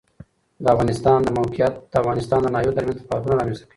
د افغانستان د موقعیت د افغانستان د ناحیو ترمنځ تفاوتونه رامنځ ته کوي.